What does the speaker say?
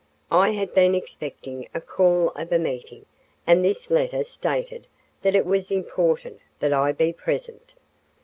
I had been expecting a call of a meeting and this letter stated that it was important that I be present.